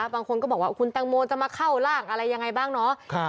บางคนก็บอกว่าคุณแตงโมจะมาเข้าร่างอะไรยังไงบ้างเนาะ